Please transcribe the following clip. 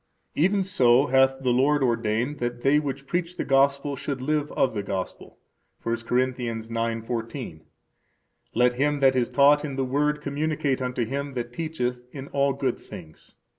Even so hath the Lord ordained that they which preach the Gospel should live of the Gospel. 1 Cor. 9:14. Let him that is taught in the Word communicate unto him that teacheth in all good things.